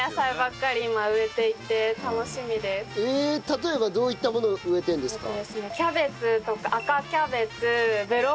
例えばどういったもの植えてるんですか？